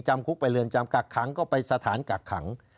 คุกไปเรือนจำกักขังก็ไปสถานกักขัง